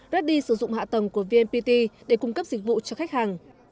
reddy sử dụng hạ tầng của vnpt để cung cấp dịch vụ cho khách hàng